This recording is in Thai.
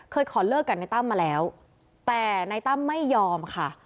ขอเลิกกับนายตั้มมาแล้วแต่นายตั้มไม่ยอมค่ะ